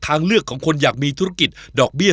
ไอลูกไม่รักดี